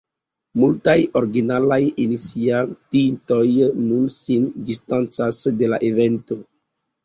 Multaj originalaj iniciatintoj nun sin distancas de la evento.